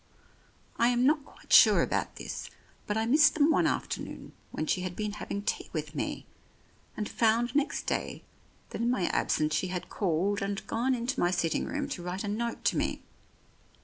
I am not quite sure about this, but I missed them one afternoon when she had been having tea with me, and found next day that in my absence she had called and gone into my sitting room to write a note to me.